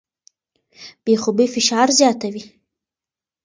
بې خوبۍ فشار زیاتوي.